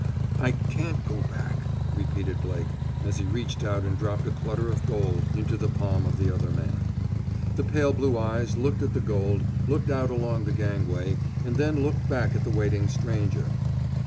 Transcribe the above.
"I can't go back!" repeated Blake, as he reached out and dropped a clutter of gold into the palm of the other man. The pale blue eyes looked at the gold, looked out along the gangway, and then looked back at the waiting stranger.